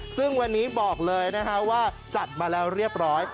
ซึ่งวันนี้บอกเลยนะฮะว่าจัดมาแล้วเรียบร้อย